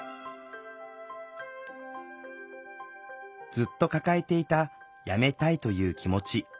ずっと抱えていた辞めたいという気持ち。